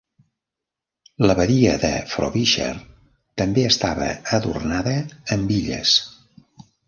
La badia de Frobisher també estava adornada amb illes.